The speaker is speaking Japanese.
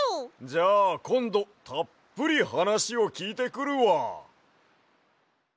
じゃあこんどたっぷりはなしをきいてくるわ。